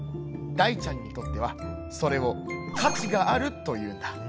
大ちゃんにとってはそれを価値があるというんだ」。